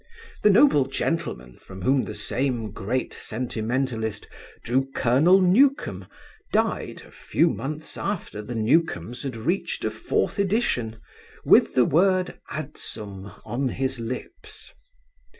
The noble gentleman from whom the same great sentimentalist drew Colonel Newcome died, a few months after The Newcomer had reached a fourth edition, with the word 'Adsum' on his lips.